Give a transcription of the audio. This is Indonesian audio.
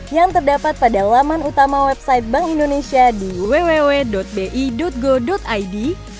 yang terdapat pada laman utama website bank indonesia di www bi go id